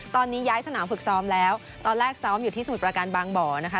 ตอนนี้ย้ายสนามฝึกซ้อมแล้วตอนแรกซ้อมอยู่ที่สมุทรประการบางบ่อนะคะ